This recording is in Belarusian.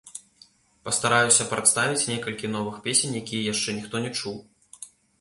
Пастараюся прадставіць некалькі новых песень, якія яшчэ ніхто не чуў.